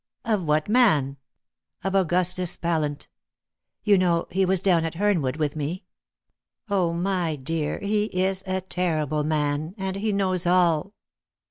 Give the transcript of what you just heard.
"Of what man?" "Of Augustus Pallant. You know, he was down at Hernwood with me. Oh, my dear, he is a terrible man, and he knows all."